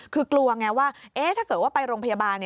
คือกลัวไงว่าถ้าเกิดว่าไปโรงพยาบาล